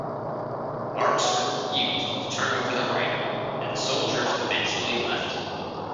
Marx refused to turn over the writer, and the soldiers eventually left.